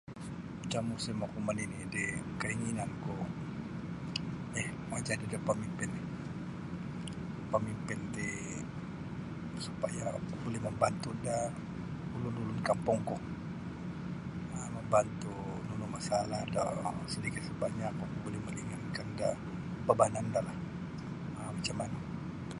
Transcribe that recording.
Macam musim oku manini di kainginanku ih mau jadi da pamimpin ih pamimpin ti supaya oku buli membantu da ulun-ulun kampung ku um membantu nunu masalah do sedikit sebanyak oku buli meringankan da bebanan do lah um macam manu.